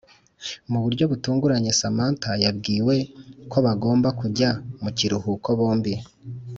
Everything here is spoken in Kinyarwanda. muburyo butunguranye samantha yabwiwe kobagomb kujya mukiruhuko bombi